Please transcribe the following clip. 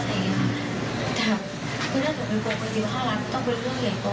เนี่ยค่ะ